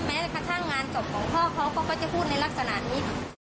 แม้กระทั่งงานศพของพ่อเขาก็จะพูดในลักษณะนี้